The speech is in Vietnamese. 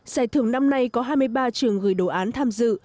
giải thưởng năm nay có hai mươi ba trường gửi đồ án tham dự